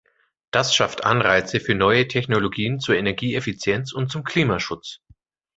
Das schafft Anreize für neue Technologien zur Energieeffizienz und zum Klimaschutz.